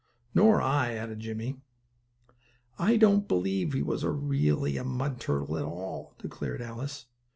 "Nor I," added Jimmie. "I don't believe he was really a mud turtle at all," declared Alice.